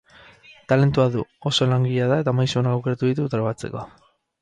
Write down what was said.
Talentua du, oso langilea da eta maisu onak aukeratu ditu trebatzeko.